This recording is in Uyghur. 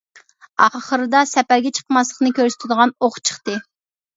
ئاخىرىدا سەپەرگە چىقماسلىقنى كۆرسىتىدىغان ئوق چىقتى.